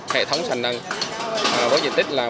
hệ thống sàn nâng với diện tích là một mươi ba x ba mươi chín m hai